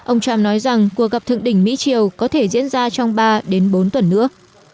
ông trump nói rằng cuộc gặp thượng đỉnh mỹ triều có thể diễn ra trong ba đến bốn tuần nữa